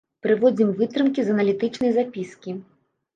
Прыводзім вытрымкі з аналітычнай запіскі.